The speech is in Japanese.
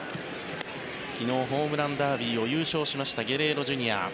昨日、ホームランダービーを優勝しましたゲレーロＪｒ．。